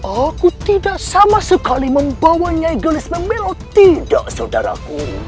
aku tidak sama sekali membawanya igelis memeluk tidak saudaraku